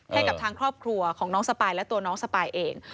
ให้กับทางครอบครัวของน้องสปายและตัวน้องสปายเอง